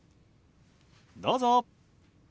どうぞ。